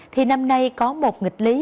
thì năm nay có một nghịch lý